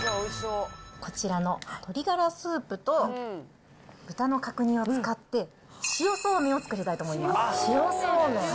こちらの鶏がらスープと豚の角煮を使って、塩そうめんを作りたいと思います。